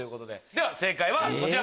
では正解はこちら。